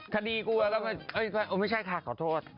คดีกูแล้วมันเอ้ยไม่ใช่ค่ะขอโทษ